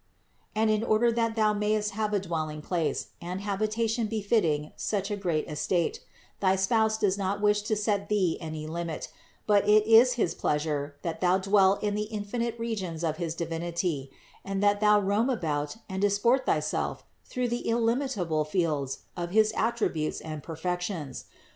21. "And in order that thou mayest have a dwelling place and habitation befitting such a great estate, thy Spouse does not wish to set thee any limit, but it is his pleasure, that thou dwell in the infinite regions of his Divinity and that thou roam about and disport thyself through the illimitable fields of his attributes and per fections.